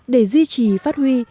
để duy trì phát huy